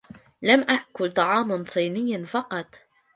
لم آكل طعاما صينيا قط.